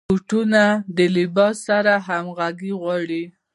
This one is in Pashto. بوټونه د لباس سره همغږي غواړي.